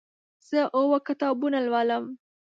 زه اوه کتابونه لولم.